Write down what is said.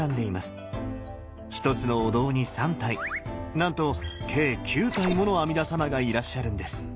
一つのお堂に３体なんと計９体もの阿弥陀様がいらっしゃるんです！